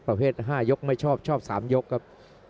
ประเภท๕ยกไม่ชอบชอบ๓ยกครับ